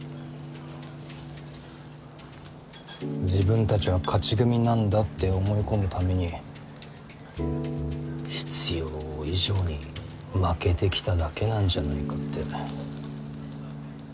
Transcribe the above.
自分たちは勝ち組なんだって思い込むために必要以上に負けてきただけなんじゃないかって。